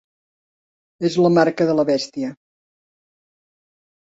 És la marca de la bèstia.